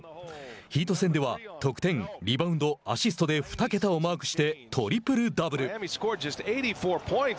ヒート戦では得点、リバウンドアシストで２桁をマークしてトリプルダブル。